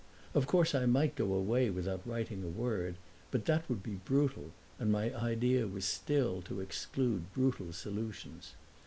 Of course I might go away without writing a word, but that would be brutal and my idea was still to exclude brutal solutions.